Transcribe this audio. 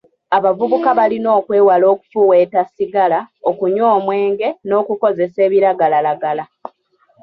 Abavuka balina okwewala okufuuweeta ssigala, okunywa omwenge n'okukozesa ebiragalalagala.